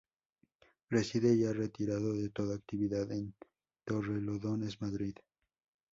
Reside, ya retirado de toda actividad, en Torrelodones, Madrid.